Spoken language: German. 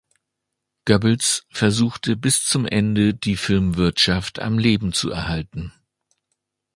Goebbels versuchte bis zum Ende die Filmwirtschaft am Leben zu erhalten.